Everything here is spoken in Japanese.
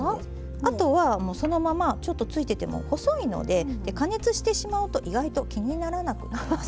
あとはそのままちょっとついてても細いので加熱してしまうと意外と気にならなくなります。